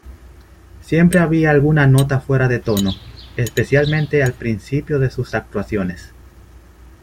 Siempre había alguna nota fuera de tono, especialmente al principio de sus actuaciones.